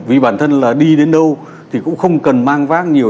vì bản thân là đi đến đâu thì cũng không cần mang vác nhiều